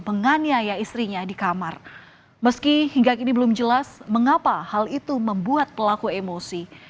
penganiaya istrinya di kamar meski hingga kini belum jelas mengapa hal itu membuat pelaku emosi